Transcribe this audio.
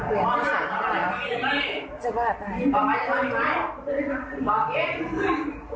สายได้แล้วจะบ้าไป